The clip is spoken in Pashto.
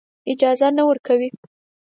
اجازه نه ورکوي.